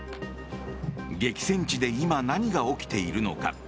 激戦地で今、何が起きているのか。